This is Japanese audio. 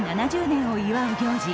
７０年を祝う行事